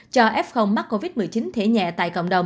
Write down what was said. cho f mắc covid một mươi chín thể nhẹ tại cộng đồng